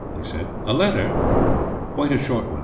he said. 'A letter?' 'Quite a short one.